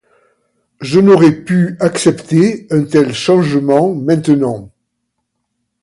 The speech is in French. Je n'aurais pu accepter un tel changement maintenant.